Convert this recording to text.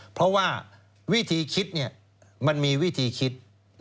เพราะว่าวิธีคิดมันมีวิธีคิด